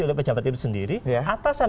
oleh pejabat itu sendiri atasan